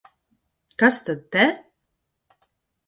Kas tad te?